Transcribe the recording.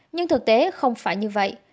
nhưng thực tế không phải như vậy